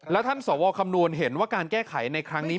และท่านสวคำนวณเห็นว่าการแก้ไขในครั้งนี้